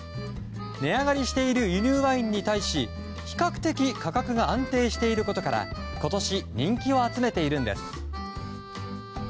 値上がりしている輸入ワインに対し比較的価格が安定していることから今年、人気を集めているんです。